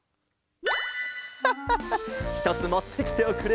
ハッハッハひとつもってきておくれ。